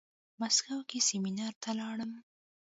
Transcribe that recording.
مسکو کې سيمينار ته لاړم.